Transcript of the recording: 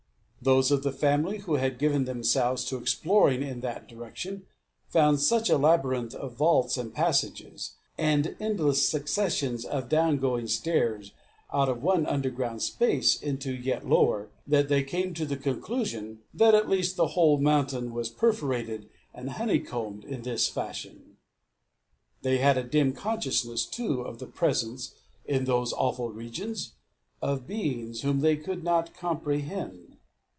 Those of the family who had given themselves to exploring in that direction, found such a labyrinth of vaults and passages, and endless successions of down going stairs, out of one underground space into a yet lower, that they came to the conclusion that at least the whole mountain was perforated and honeycombed in this fashion. They had a dim consciousness, too, of the presence, in those awful regions, of beings whom they could not comprehend.